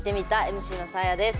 ＭＣのサーヤです。